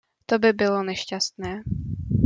To by bylo nešťastné.